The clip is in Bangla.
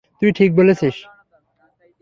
তুই ঠিক বলেছিস!